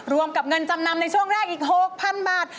รวมกับเงินจำนำในช่วงแรกอีก๖๐๐๐บาท